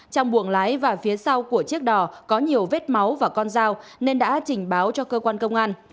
trong buồng lái và phía sau của chiếc đò có nhiều vết máu và con dao nên đã trình báo cho cơ quan công an